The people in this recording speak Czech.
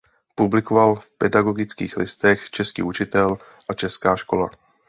Publikoval v pedagogických listech "Český učitel" a "Česká škola".